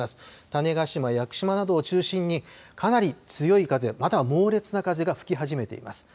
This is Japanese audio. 種子島・屋久島などを中心にかなり強い風、または猛烈な風が吹き始めています。